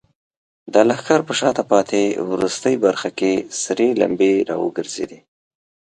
د لښکر په شاته پاتې وروستۍ برخه کې سرې لمبې راوګرځېدې.